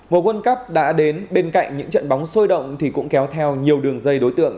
một quân cấp đã đến bên cạnh những trận bóng sôi động thì cũng kéo theo nhiều đường dây đối tượng